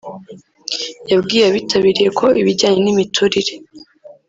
yabwiye abitabiriye ko ibijyanye n’imiturire